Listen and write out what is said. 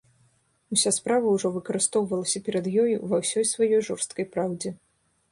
Уся справа ўжо вырысоўвалася перад ёю ва ўсёй сваёй жорсткай праўдзе.